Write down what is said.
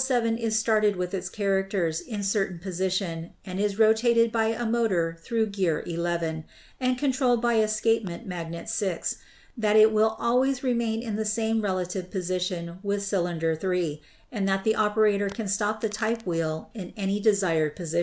if type wheel 7 is started with its characters in certain position and is rotated by a motor through gear 11 and controlled by escapement magnet 6, that it will always remain in the same relative position with cylinder 3, and that the operator can stop the type wheel in any desired position.